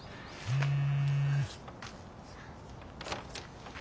うん。